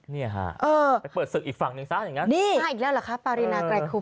เนี่ยฮะเออไปเปิดศึกอีกฝั่งหนึ่งซะอย่างนั้นนี่มาอีกแล้วเหรอคะปารีนาไกรคุบ